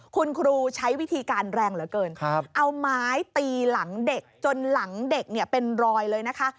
คุณครูใช้วิธีการแรงเหลือเกินเอาไม้ตีหลังเด็กจนหลังเด็กเนี่ยเป็นรอยเลยนะคะ